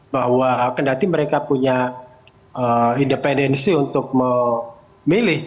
bahwa kendati mereka punya independensi untuk memilih